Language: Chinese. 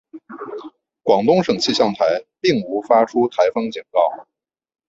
广东省气象台并无发出台风警告。